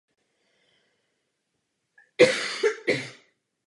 Pokládal ho za svého největšího učitele a udržoval s ním i později písemný styk.